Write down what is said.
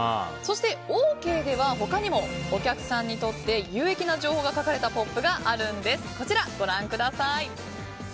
そして、オーケーでは他にもお客さんにとって有益な情報が書かれたポップがあるんです。